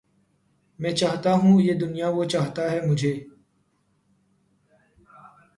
میں چاہتا ہوں یہ دنیا وہ چاہتا ہے مجھے